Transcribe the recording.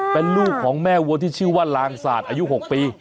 เป็นลูกของแม่วัวที่ชื่อว่าลางศาสตร์อายุ๖ปี